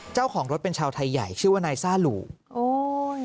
เจ้าของรถเป็นชาวไทยใหญ่ชื่อว่านายซ่าหลู่โอ้ย